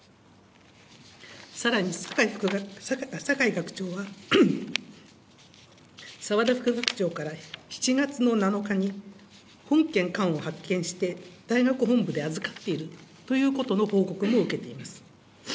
さらに酒井学長は、澤田副学長から７月の７日に本件缶を発見して大学本部で預かっているということの報告も受けています。